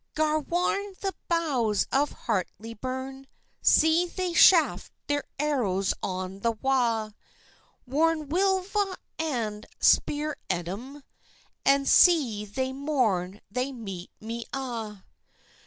"Gar warn the bows of Hartlie burn; See they shaft their arrows on the wa'! Warn Willeva and Spear Edom, And see the morn they meet me a'.